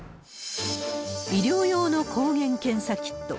医療用の抗原検査キット。